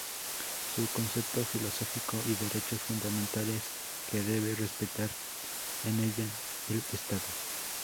Su concepto filosófico y derechos fundamentales que debe respetar en ella el Estado".